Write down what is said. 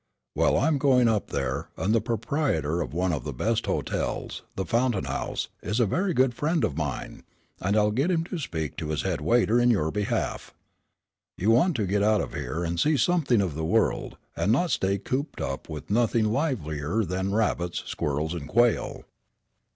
"Well, I'm going up there, and the proprietor of one of the best hotels, the Fountain House, is a very good friend of mine, and I'll get him to speak to his head waiter in your behalf. You want to get out of here, and see something of the world, and not stay cooped up with nothing livelier than rabbits, squirrels, and quail."